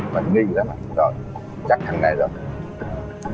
mình nghi lắm rồi chắc thằng này rồi